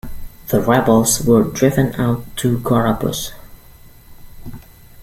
The rebels were driven out to Gorabous.